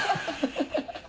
ハハハハ。